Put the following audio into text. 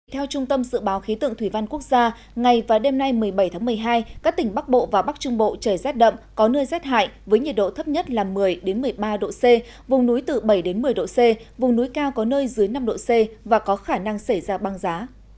theo trung tâm dự báo khí tượng thủy văn quốc gia ngày và đêm nay một mươi bảy tháng một mươi hai các tỉnh bắc bộ và bắc trung bộ trời rét đậm có nơi rét hại với nhiệt độ thấp nhất là một mươi một mươi ba độ c vùng núi từ bảy một mươi độ c vùng núi cao có nơi dưới năm độ c và có khả năng xảy ra băng giá